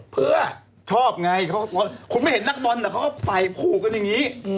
เพื่อชอบไงคุณไม่เห็นนักบอลแต่เขาก็ใส่คู่กันอย่างนี้